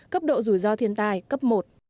cấp độ rủi ro thiên tai cấp một